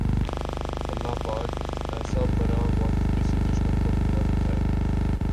اللہ پاک ایسا برا وقت کسی دشمن کو بھی نہ دکھائے